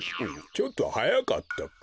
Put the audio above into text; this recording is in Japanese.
ちょっとはやかったか。